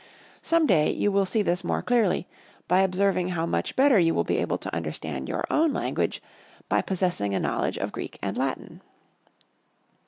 Some day you will see this more clearly by observing how much better you will be able to understand your own language by possessing a knowledge of Greek and Latin.